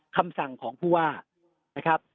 คำสั่งของผู้ว่านะครับ